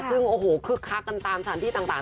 ซึ่งโอ้โหคึกคักกันตามสถานที่ต่าง